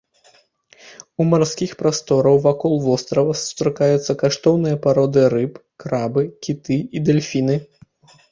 У марскіх прастораў вакол вострава сустракаюцца каштоўныя пароды рыб, крабы, кіты і дэльфіны.